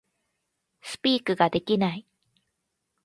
Speak ができない